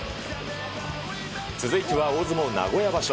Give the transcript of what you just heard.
続いては大相撲名古屋場所。